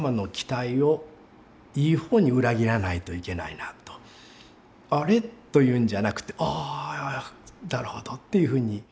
だから「あれ？」というんじゃなくて「ああなるほど」っていうふうに。